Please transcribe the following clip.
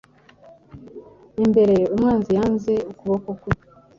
Imbere umwanzi yanze ukuboko kwe